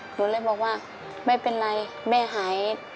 หนูเลยบอกว่าไม่เป็นไรแม่หาย